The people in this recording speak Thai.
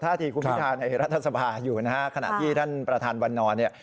ทาธิคุณพิทราในรัฐสะพาห์อยู่นะครับขณะที่ท่านประธานวรรณรเนี่ย